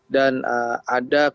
dan ada komunikasi